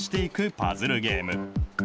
パズルゲーム。